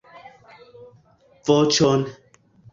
.... voĉon.